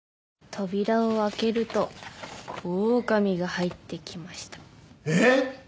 扉を開けるとオオカミが入ってきましたえっ？